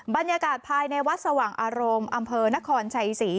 บรรยากาศภายในวัดสว่างอารมณ์อำเภอนครชัยศรี